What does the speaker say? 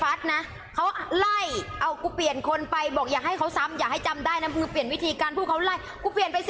แม่งกูมัวตายยึดยักษ์หัวคนอื่นจะมาเอาหน้าเอาตาอีกแล้วนะ